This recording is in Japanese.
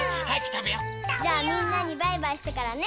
たべよう！じゃあみんなにバイバイしてからね。